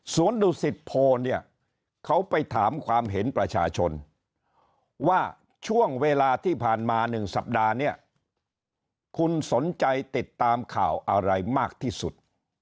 ดุสิตโพเนี่ยเขาไปถามความเห็นประชาชนว่าช่วงเวลาที่ผ่านมา๑สัปดาห์เนี่ยคุณสนใจติดตามข่าวอะไรมากที่สุด